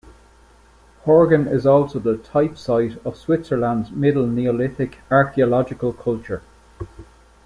Horgen is also the type-site of Switzerland's middle Neolithic archaeological culture.